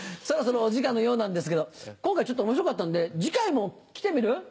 そろそろお時間のようなんですけど今回ちょっと面白かったんで次回も来てみる？